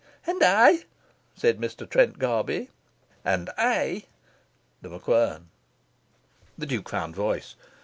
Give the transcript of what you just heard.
"And I!" said Mr. Trent Garby; "And I!" The MacQuern. The Duke found voice.